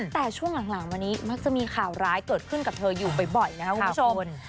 แต่ช่วงหลังวันนี้มักจะมีข่าวร้ายเกิดขึ้นกับเธออยู่บ่อยนะครับคุณผู้ชม